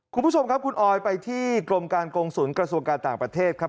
คุณผู้ชมครับคุณออยไปที่กรมการกงศูนย์กระทรวงการต่างประเทศครับ